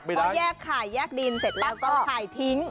เพราะแยกไข่แยกดินเสร็จแล้วก็ไข่ทิ้ง